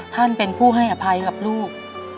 ท่านเป็นผู้ให้อภัยกับลูก